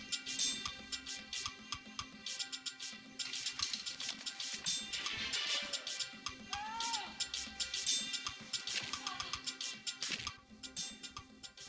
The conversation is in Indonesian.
jangan lupa untuk menikmati gua